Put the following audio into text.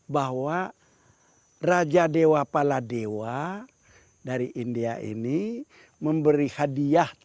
bahwa raja dewa pala dewa dari india ini memberi hadiah